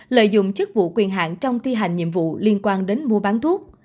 lợi dụng chức vụ quyền hạn trong thi hành nhiệm vụ liên quan đến mua bán thuốc